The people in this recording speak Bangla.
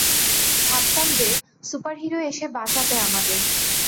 ভাবতাম যে, সুপারহিরো এসে বাঁচাবে আমাদের।